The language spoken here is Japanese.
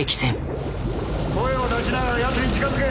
声を出しながらやつに近づけ。